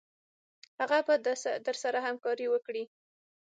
هغه به درسره همکاري وکړي.